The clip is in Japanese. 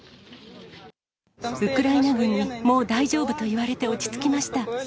ウクライナ軍にもう大丈夫と言われて落ち着きました。